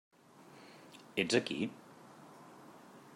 Ets aquí?